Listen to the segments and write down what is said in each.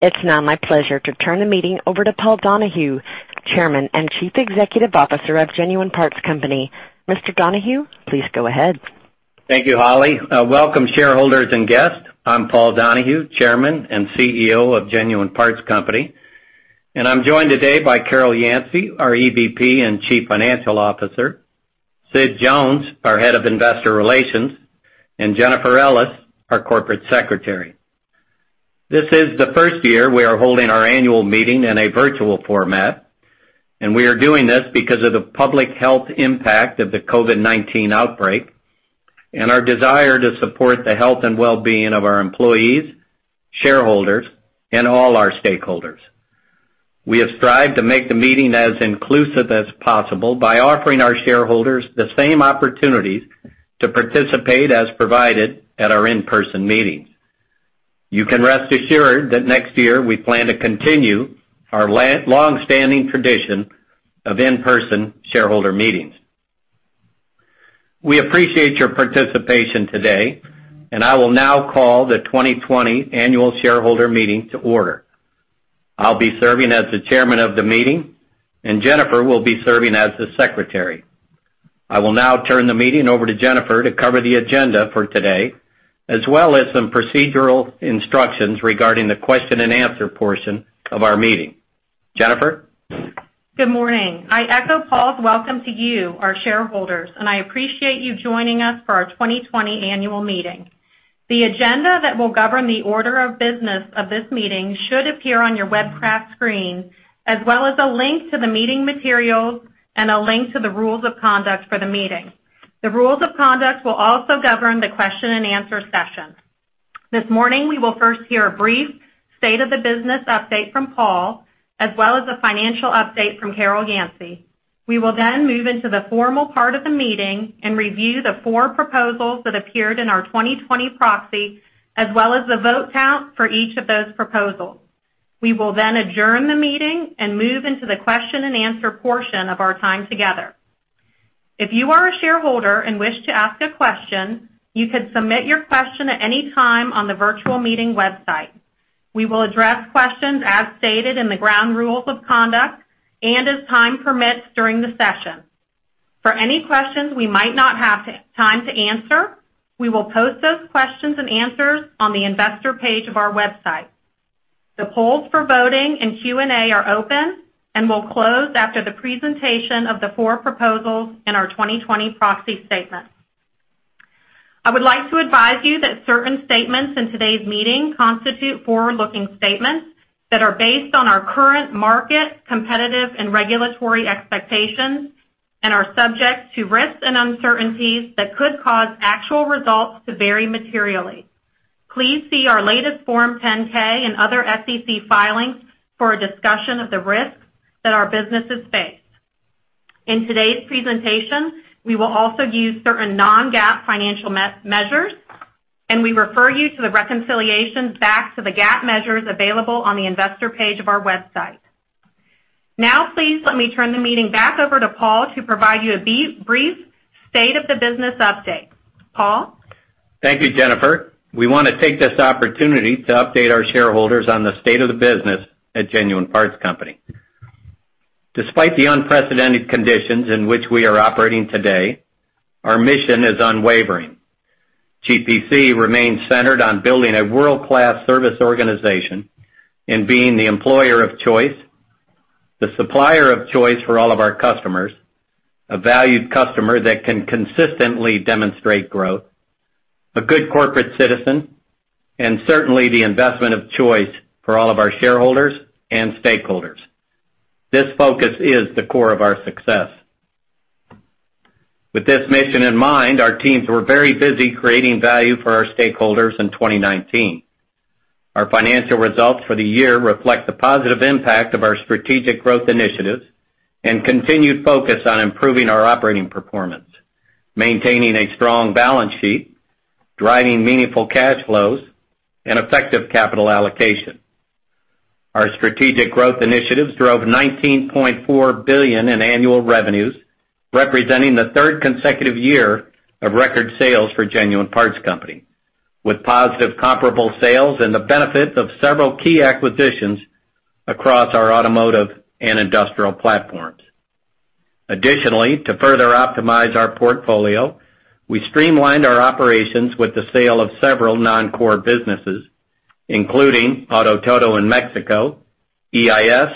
It's now my pleasure to turn the meeting over to Paul Donahue, Chairman and Chief Executive Officer of Genuine Parts Company. Mr. Donahue, please go ahead. Thank you, Holly. Welcome, shareholders and guests. I'm Paul Donahue, Chairman and CEO of Genuine Parts Company, and I'm joined today by Carol Yancey, our EVP and Chief Financial Officer, Sid Jones, our Head of Investor Relations, and Jennifer Ellis, our Corporate Secretary. This is the first year we are holding our annual meeting in a virtual format, and we are doing this because of the public health impact of the COVID-19 outbreak and our desire to support the health and wellbeing of our employees, shareholders, and all our stakeholders. We have strived to make the meeting as inclusive as possible by offering our shareholders the same opportunities to participate as provided at our in-person meetings. You can rest assured that next year, we plan to continue our long-standing tradition of in-person shareholder meetings. We appreciate your participation today. I will now call the 2020 annual shareholder meeting to order. I'll be serving as the Chairman of the meeting, and Jennifer will be serving as the secretary. I will now turn the meeting over to Jennifer to cover the agenda for today, as well as some procedural instructions regarding the question and answer portion of our meeting. Jennifer? Good morning. I echo Paul's welcome to you, our shareholders, and I appreciate you joining us for our 2020 annual meeting. The agenda that will govern the order of business of this meeting should appear on your webcast screen, as well as a link to the meeting materials and a link to the rules of conduct for the meeting. The rules of conduct will also govern the question and answer session. This morning, we will first hear a brief state of the business update from Paul, as well as a financial update from Carol Yancey. We will then move into the formal part of the meeting and review the four proposals that appeared in our 2020 proxy, as well as the vote count for each of those proposals. We will then adjourn the meeting and move into the question and answer portion of our time together. If you are a shareholder and wish to ask a question, you can submit your question at any time on the virtual meeting website. We will address questions as stated in the ground rules of conduct and as time permits during the session. For any questions we might not have time to answer, we will post those questions and answers on the investor page of our website. The polls for voting and Q&A are open and will close after the presentation of the four proposals in our 2020 proxy statement. I would like to advise you that certain statements in today's meeting constitute forward-looking statements that are based on our current market, competitive, and regulatory expectations and are subject to risks and uncertainties that could cause actual results to vary materially. Please see our latest Form 10-K and other SEC filings for a discussion of the risks that our businesses face. In today's presentation, we will also use certain non-GAAP financial measures, and we refer you to the reconciliations back to the GAAP measures available on the investor page of our website. Now, please let me turn the meeting back over to Paul to provide you a brief state of the business update. Paul? Thank you, Jennifer. We want to take this opportunity to update our shareholders on the state of the business at Genuine Parts Company. Despite the unprecedented conditions in which we are operating today, our mission is unwavering. GPC remains centered on building a world-class service organization and being the employer of choice, the supplier of choice for all of our customers, a valued customer that can consistently demonstrate growth, a good corporate citizen, and certainly the investment of choice for all of our shareholders and stakeholders. This focus is the core of our success. With this mission in mind, our teams were very busy creating value for our stakeholders in 2019. Our financial results for the year reflect the positive impact of our strategic growth initiatives and continued focus on improving our operating performance, maintaining a strong balance sheet, driving meaningful cash flows, and effective capital allocation. Our strategic growth initiatives drove $19.4 billion in annual revenues, representing the third consecutive year of record sales for Genuine Parts Company, with positive comparable sales and the benefit of several key acquisitions across our automotive and industrial platforms. Additionally, to further optimize our portfolio, we streamlined our operations with the sale of several non-core businesses, including Auto Todo in Mexico, EIS,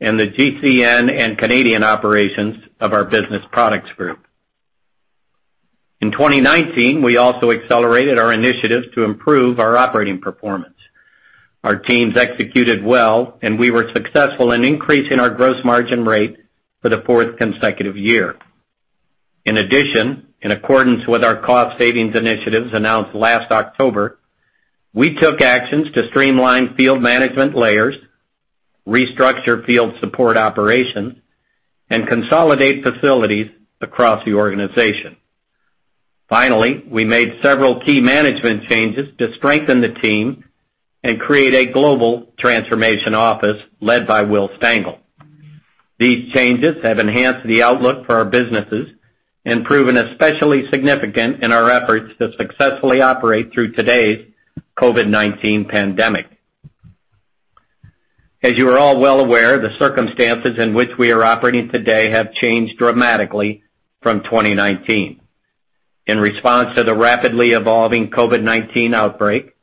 and the Garland C. Norris Company and Canadian operations of our business products group. In 2019, we also accelerated our initiatives to improve our operating performance. Our teams executed well, and we were successful in increasing our gross margin rate for the fourth consecutive year. In addition, in accordance with our cost savings initiatives announced last October, we took actions to streamline field management layers, restructure field support operations, and consolidate facilities across the organization. Finally, we made several key management changes to strengthen the team and create a global transformation office led by Will Stengel. These changes have enhanced the outlook for our businesses and proven especially significant in our efforts to successfully operate through today's COVID-19 pandemic. As you are all well aware, the circumstances in which we are operating today have changed dramatically from 2019. In response to the rapidly evolving COVID-19 outbreak,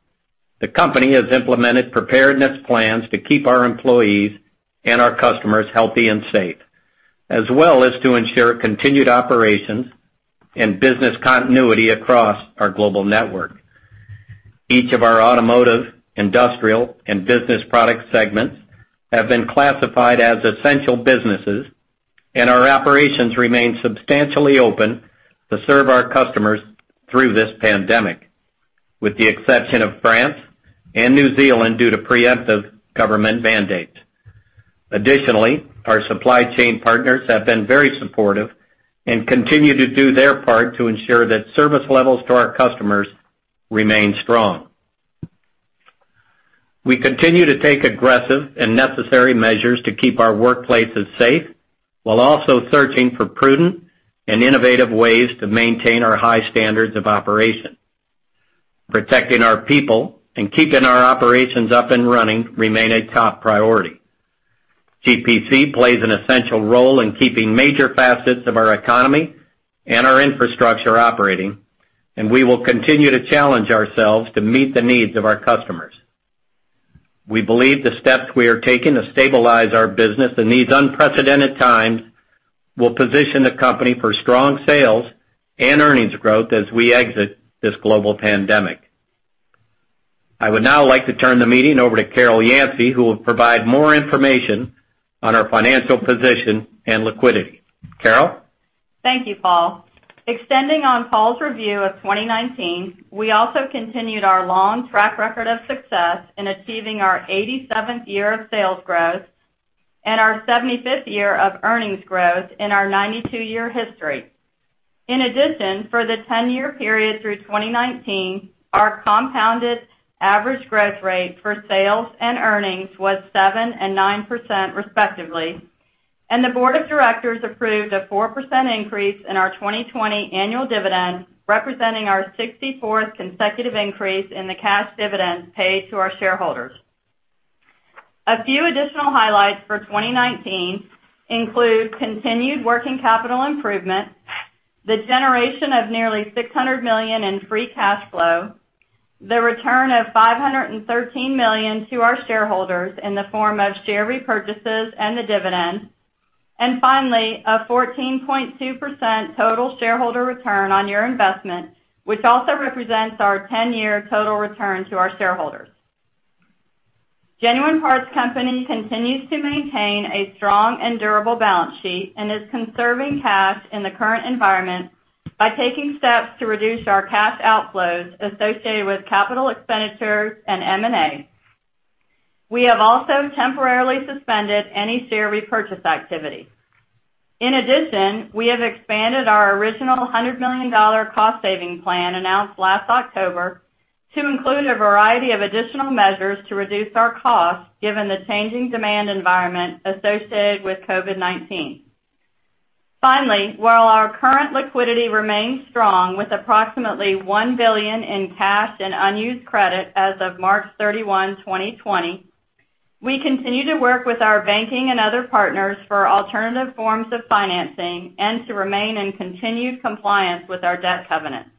the company has implemented preparedness plans to keep our employees and our customers healthy and safe, as well as to ensure continued operations and business continuity across our global network. Each of our automotive, industrial, and business product segments have been classified as essential businesses, and our operations remain substantially open to serve our customers through this pandemic, with the exception of France and New Zealand due to preemptive government mandates. Additionally, our supply chain partners have been very supportive and continue to do their part to ensure that service levels to our customers remain strong. We continue to take aggressive and necessary measures to keep our workplaces safe while also searching for prudent and innovative ways to maintain our high standards of operation. Protecting our people and keeping our operations up and running remain a top priority. GPC plays an essential role in keeping major facets of our economy and our infrastructure operating, and we will continue to challenge ourselves to meet the needs of our customers. We believe the steps we are taking to stabilize our business in these unprecedented times will position the company for strong sales and earnings growth as we exit this global pandemic. I would now like to turn the meeting over to Carol Yancey, who will provide more information on our financial position and liquidity. Carol? Thank you, Paul. Extending on Paul's review of 2019, we also continued our long track record of success in achieving our 87th year of sales growth and our 75th year of earnings growth in our 92-year history. In addition, for the 10-year period through 2019, our compounded average growth rate for sales and earnings was 7% and 9% respectively. The board of directors approved a 4% increase in our 2020 annual dividend, representing our 64th consecutive increase in the cash dividend paid to our shareholders. A few additional highlights for 2019 include continued working capital improvement, the generation of nearly $600 million in free cash flow, the return of $513 million to our shareholders in the form of share repurchases and the dividend, and finally, a 14.2% total shareholder return on your investment, which also represents our 10-year total return to our shareholders. Genuine Parts Company continues to maintain a strong and durable balance sheet and is conserving cash in the current environment by taking steps to reduce our cash outflows associated with capital expenditures and M&A. We have also temporarily suspended any share repurchase activity. In addition, we have expanded our original $100 million cost-saving plan announced last October to include a variety of additional measures to reduce our costs given the changing demand environment associated with COVID-19. Finally, while our current liquidity remains strong, with approximately $1 billion in cash and unused credit as of March 31, 2020, we continue to work with our banking and other partners for alternative forms of financing and to remain in continued compliance with our debt covenants.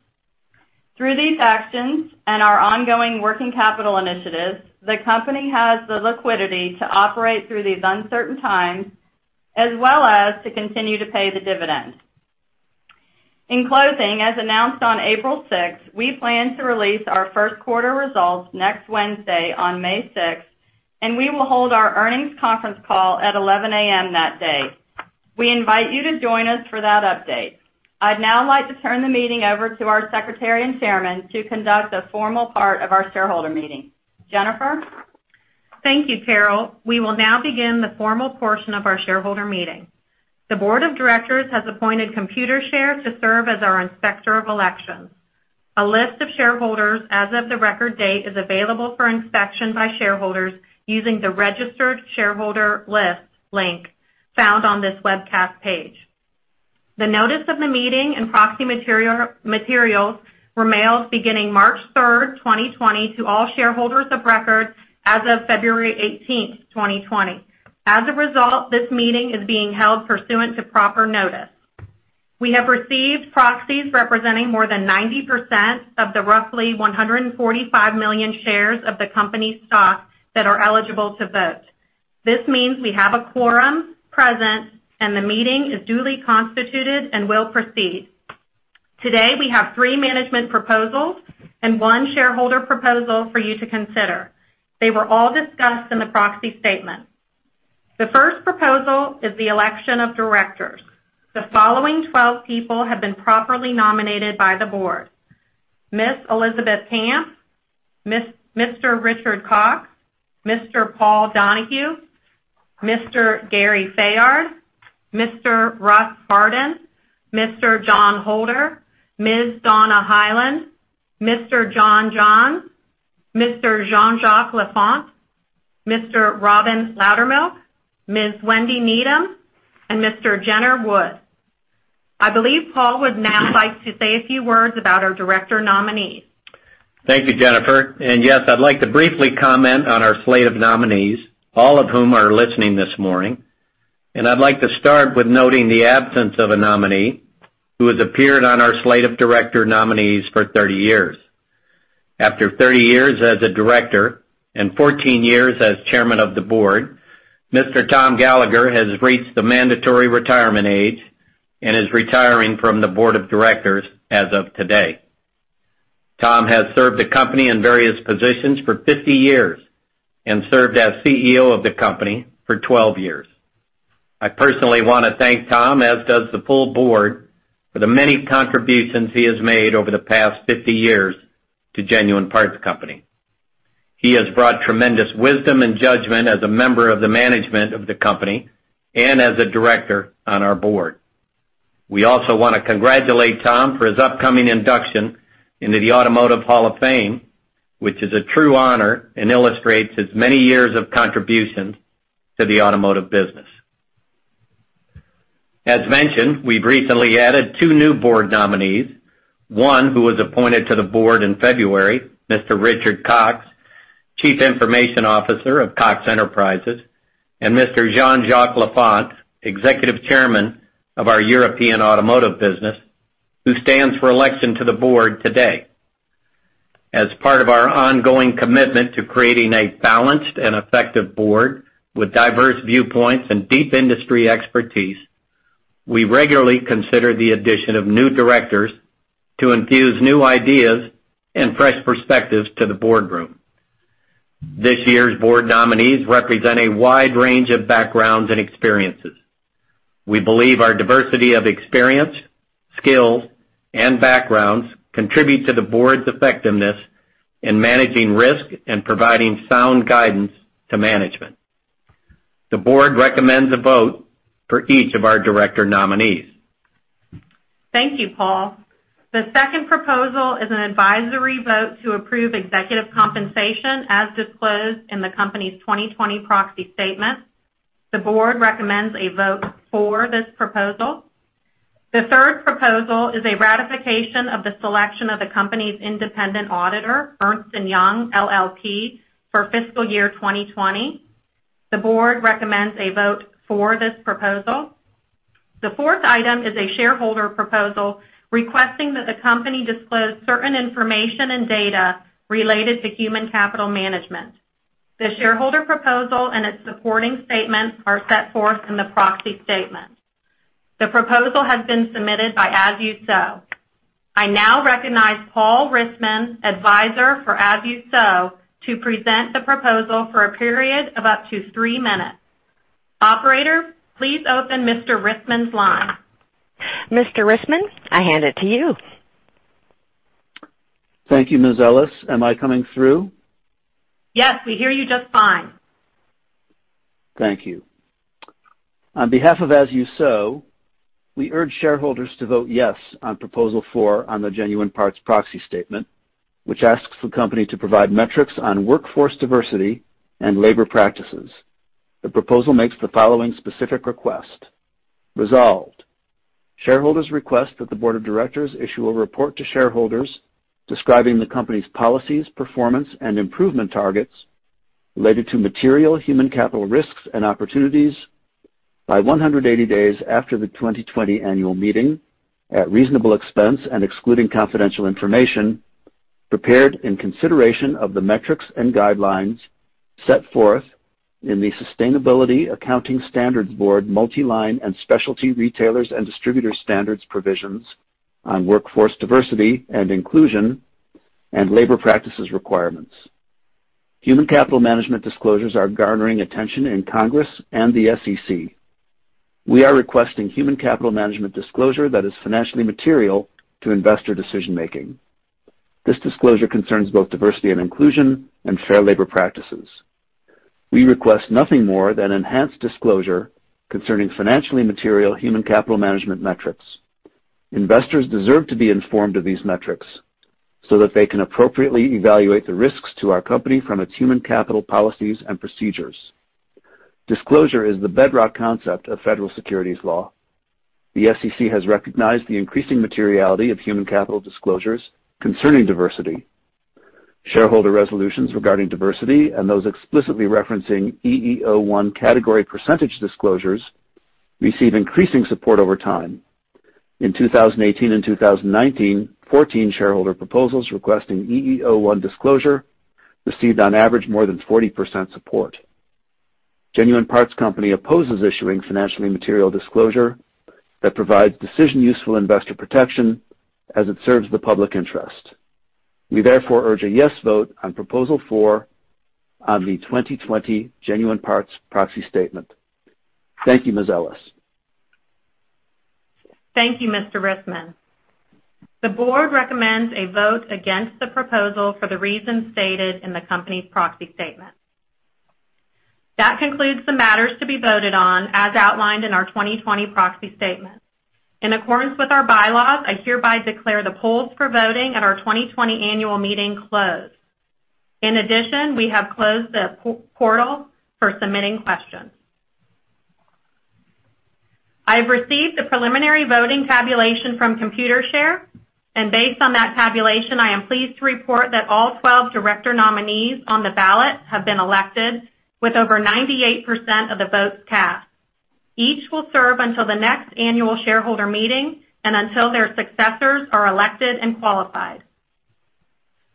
Through these actions and our ongoing working capital initiatives, the company has the liquidity to operate through these uncertain times, as well as to continue to pay the dividend. In closing, as announced on April 6th, we plan to release our first quarter results next Wednesday on May 6th, and we will hold our earnings conference call at 11:00 A.M. that day. We invite you to join us for that update. I'd now like to turn the meeting over to our secretary and chairman to conduct the formal part of our shareholder meeting. Jennifer? Thank you, Carol. We will now begin the formal portion of our shareholder meeting. The board of directors has appointed Computershare to serve as our inspector of elections. A list of shareholders as of the record date is available for inspection by shareholders using the Registered Shareholder List link found on this webcast page. The notice of the meeting and proxy materials were mailed beginning March 3rd, 2020 to all shareholders of record as of February 18th, 2020. As a result, this meeting is being held pursuant to proper notice. We have received proxies representing more than 90% of the roughly 145 million shares of the company's stock that are eligible to vote. This means we have a quorum present, and the meeting is duly constituted and will proceed. Today, we have three management proposals and one shareholder proposal for you to consider. They were all discussed in the proxy statement. The first proposal is the election of directors. The following 12 people have been properly nominated by the board. Ms. Elizabeth Camp. Mr. Richard Cox. Mr. Paul Donahue. Mr. Gary Fayard. Mr. Russ Hardin. Mr. John Holder. Ms. Donna Hyland. Mr. John Johns. Mr. Jean-Jacques Lafont, Mr. Robin Loudermilk, Ms. Wendy Needham, and Mr. Jenner Wood. I believe Paul would now like to say a few words about our director nominees. Thank you, Jennifer. Yes, I'd like to briefly comment on our slate of nominees, all of whom are listening this morning. I'd like to start with noting the absence of a nominee who has appeared on our slate of director nominees for 30 years. After 30 years as a director and 14 years as chairman of the board, Mr. Tom Gallagher has reached the mandatory retirement age and is retiring from the board of directors as of today. Tom has served the company in various positions for 50 years and served as CEO of the company for 12 years. I personally want to thank Tom, as does the full board, for the many contributions he has made over the past 50 years to Genuine Parts Company. He has brought tremendous wisdom and judgment as a member of the management of the company and as a director on our board. We also want to congratulate Tom for his upcoming induction into the Automotive Hall of Fame, which is a true honor and illustrates his many years of contributions to the automotive business. We've recently added two new board nominees. One, who was appointed to the board in February, Mr. Richard Cox, Chief Information Officer of Cox Enterprises, and Mr. Jean-Jacques Lafont, Executive Chairman of our European automotive business, who stands for election to the board today. Part of our ongoing commitment to creating a balanced and effective board with diverse viewpoints and deep industry expertise, we regularly consider the addition of new directors to infuse new ideas and fresh perspectives to the boardroom. This year's board nominees represent a wide range of backgrounds and experiences. We believe our diversity of experience, skills, and backgrounds contribute to the board's effectiveness in managing risk and providing sound guidance to management. The board recommends a vote for each of our director nominees. Thank you, Paul. The second proposal is an advisory vote to approve executive compensation as disclosed in the company's 2020 proxy statement. The board recommends a vote for this proposal. The third proposal is a ratification of the selection of the company's independent auditor, Ernst & Young LLP, for fiscal year 2020. The board recommends a vote for this proposal. The fourth item is a shareholder proposal requesting that the company disclose certain information and data related to human capital management. The shareholder proposal and its supporting statements are set forth in the proxy statement. The proposal has been submitted by As You Sow. I now recognize Paul Rissman, advisor for As You Sow, to present the proposal for a period of up to three minutes. Operator, please open Mr. Rissman's line. Mr. Rissman, I hand it to you. Thank you, Ms. Ellis. Am I coming through? Yes, we hear you just fine. Thank you. On behalf of As You Sow, we urge shareholders to vote yes on proposal four on the Genuine Parts proxy statement, which asks the company to provide metrics on workforce diversity and labor practices. The proposal makes the following specific request. Resolved, shareholders request that the board of directors issue a report to shareholders describing the company's policies, performance, and improvement targets related to material human capital risks and opportunities by 180 days after the 2020 annual meeting at reasonable expense and excluding confidential information, prepared in consideration of the metrics and guidelines set forth in the Sustainability Accounting Standards Board, multi-line and specialty retailers and distributors standards provisions on workforce diversity and inclusion and labor practices requirements. Human capital management disclosures are garnering attention in Congress and the SEC. We are requesting human capital management disclosure that is financially material to investor decision-making. This disclosure concerns both diversity and inclusion and fair labor practices. We request nothing more than enhanced disclosure concerning financially material human capital management metrics. Investors deserve to be informed of these metrics so that they can appropriately evaluate the risks to our company from its human capital policies and procedures. Disclosure is the bedrock concept of federal securities law. The SEC has recognized the increasing materiality of human capital disclosures concerning diversity. Shareholder resolutions regarding diversity and those explicitly referencing EEO1 category % disclosures receive increasing support over time. In 2018 and 2019, 14 shareholder proposals requesting EEO1 disclosure received on average more than 40% support. Genuine Parts Company opposes issuing financially material disclosure that provides decision useful investor protection as it serves the public interest. We therefore urge a yes vote on proposal four on the 2020 Genuine Parts proxy statement. Thank you, Ms. Ellis. Thank you, Mr. Rissman. The board recommends a vote against the proposal for the reasons stated in the company's proxy statement. That concludes the matters to be voted on as outlined in our 2020 proxy statement. In accordance with our bylaws, I hereby declare the polls for voting at our 2020 annual meeting closed. In addition, we have closed the portal for submitting questions. I have received the preliminary voting tabulation from Computershare, and based on that tabulation, I am pleased to report that all 12 director nominees on the ballot have been elected with over 98% of the votes cast. Each will serve until the next annual shareholder meeting and until their successors are elected and qualified.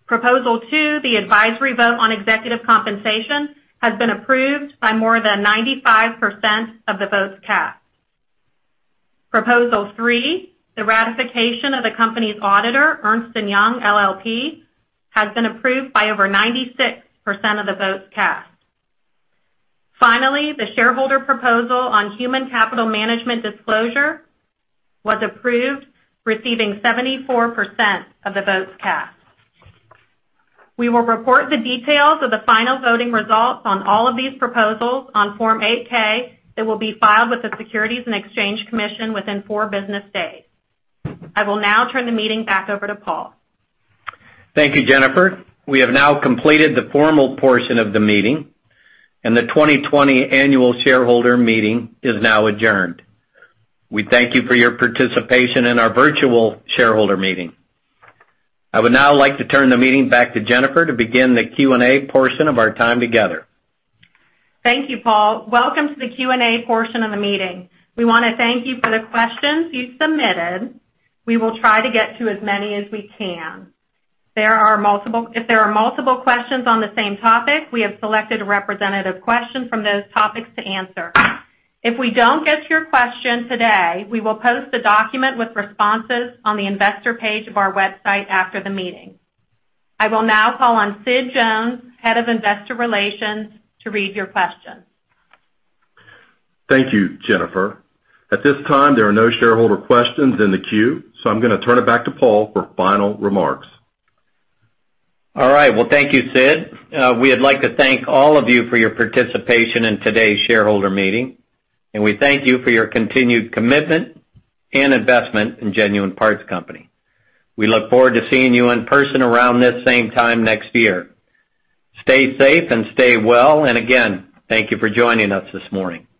Proposal two, the advisory vote on executive compensation, has been approved by more than 95% of the votes cast. Proposal three, the ratification of the company's auditor, Ernst & Young LLP, has been approved by over 96% of the votes cast. Finally, the shareholder proposal on human capital management disclosure was approved, receiving 74% of the votes cast. We will report the details of the final voting results on all of these proposals on Form 8-K that will be filed with the Securities and Exchange Commission within four business days. I will now turn the meeting back over to Paul. Thank you, Jennifer. We have now completed the formal portion of the meeting, and the 2020 annual shareholder meeting is now adjourned. We thank you for your participation in our virtual shareholder meeting. I would now like to turn the meeting back to Jennifer to begin the Q&A portion of our time together. Thank you, Paul. Welcome to the Q&A portion of the meeting. We want to thank you for the questions you submitted. We will try to get to as many as we can. If there are multiple questions on the same topic, we have selected a representative question from those topics to answer. If we don't get to your question today, we will post the document with responses on the investor page of our website after the meeting. I will now call on Sid Jones, head of investor relations, to read your questions. Thank you, Jennifer. At this time, there are no shareholder questions in the queue. I'm going to turn it back to Paul for final remarks. All right. Well, thank you, Sid. We would like to thank all of you for your participation in today's shareholder meeting, and we thank you for your continued commitment and investment in Genuine Parts Company. We look forward to seeing you in person around this same time next year. Stay safe and stay well, and again, thank you for joining us this morning.